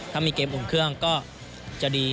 ถ้ามีเกมอุ่นเครื่องก็จะดี